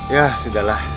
ya sudah lah